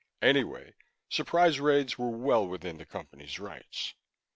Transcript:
Anyway, surprise raids were well within the Company's rights.